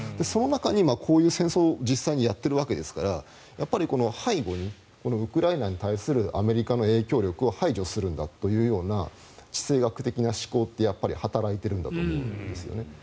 その中にこういう戦争を実際にやっているわけですから背後にウクライナに対するアメリカの影響力を排除するんだというような地政学的な思考というのは働いているんだと思うんですよね。